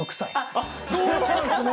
あっそうなんですね！